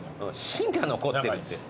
芯が残ってるって。